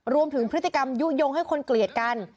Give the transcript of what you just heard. รวมถึงพฤติกรรมยุโยงให้คนเกลียดกัน